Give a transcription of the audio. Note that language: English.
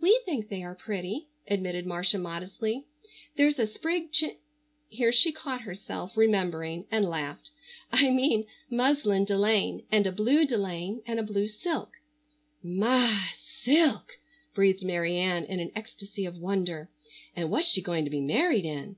"We think they are pretty," admitted Marcia modestly. "There's a sprigged chin—" here she caught herself, remembering, and laughed. "I mean muslin de laine, and a blue delaine, and a blue silk——" "My! silk!" breathed Mary Ann in an ecstasy of wonder. "And what's she going to be married in?"